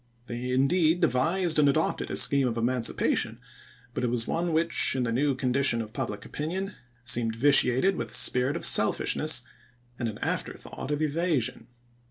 They indeed devised and adopted a scheme of emancipation, but it was one which, in the new condition of pubUc opinion, seemed vitiated with a spirit of selfishness and an afterthought of evasion.